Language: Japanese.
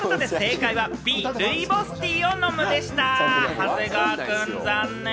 長谷川くん残念。